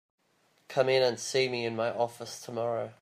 Come in and see me in my office tomorrow.